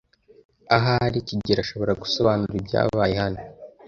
Ahari kigeli ashobora gusobanura ibyabaye hano.